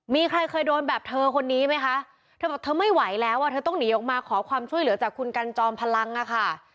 มีใครเคยโดนแบบเธอคนนี้ไหมคะเธอบอกเธอไม่ไหวแล้วอ่ะเธอต้องหนีออกมาขอความช่วยเหลือจากคุณกันจอมพลังอ่ะค่ะ